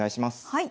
はい！